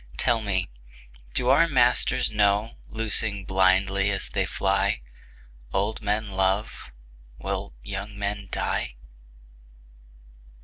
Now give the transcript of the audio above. Tell me, do our masters know, Loosing blindly as they fly, Old men love while young men die?